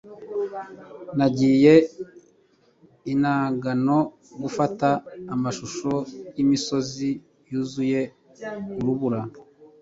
nagiye i nagano gufata amashusho yimisozi yuzuye urubura